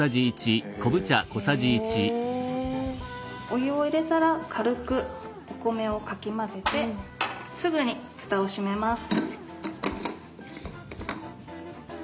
お湯を入れたら軽くお米をかき混ぜてすぐにふたを閉めます。